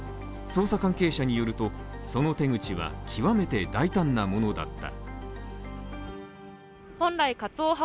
捜査関係者によると、その手口は極めて大胆なものだった。